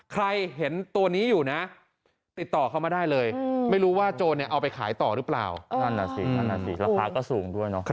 ใครเห็นตัวนี้อยู่นะติดต่อเขามาได้เลยอืมไม่รู้ว่าโจ๊นเนี่ยเอาไปขายต่อหรือเปล่าก็สูงด้วยเนอะค่ะ